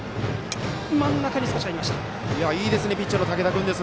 いいですねピッチャーの竹田君。